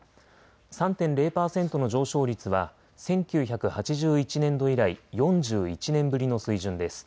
３．０％の上昇率は１９８１年度以来４１年ぶりの水準です。